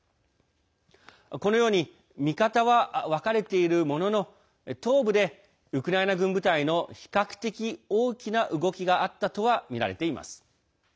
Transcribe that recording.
このように見方は分かれているものの東部でウクライナ軍部隊の比較的大きな動きがあったとはみられています。